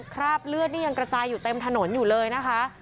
คราบเลือดนี่ยังกระจายอยู่เต็มถนนอยู่เลยนะคะ